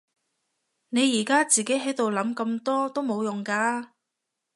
你而家自己喺度諗咁多都冇用㗎